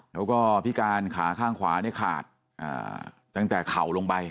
แล้วก็พิการขาข้างขวาเนี่ยขาดตั้งแต่เข่าลงไป